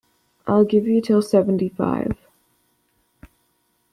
I’ll give you till seventy-five.